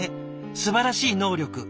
すばらしい能力。